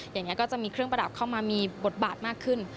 อย่างนี้ก็จะมีเครื่องประดับเข้ามามีบทบาทมากขึ้น